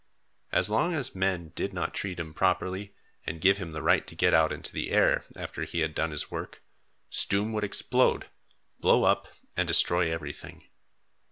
As long as men did not treat him properly and give him the right to get out into the air, after he had done his work, Stoom would explode, blow up and destroy everything.